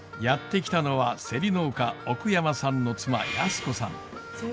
やって来たのはセリ農家奥山さんの妻安子さん。